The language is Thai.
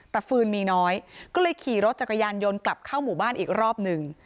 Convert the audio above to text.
แต่ฟืนมีน้อยก็เลยขี่รถจักรยานยนต์กลับเข้าหมู่บ้านอีกรอบหนึ่ง